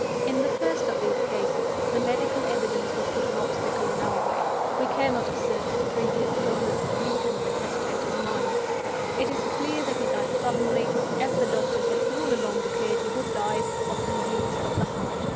"In the first of these cases, the medical evidence would put an obstacle in our way. We cannot assert that previous illness had weakened the Testator's mind. It is clear that he died suddenly, as the doctors had all along declared he would die, of disease of the heart.